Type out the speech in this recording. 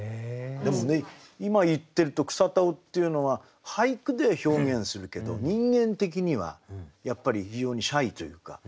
でもね今言ってると草田男っていうのは俳句では表現するけど人間的にはやっぱり非常にシャイというか。